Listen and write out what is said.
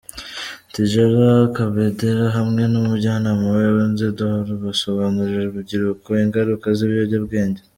Tidjala Kabendera hamwe n'umujyanama we Onze d'Or, basobanurira urubyiruko ingaruka z'ibiyobyabwenge.